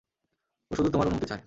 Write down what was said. ও শুধু তোমার অনুমতি চায়।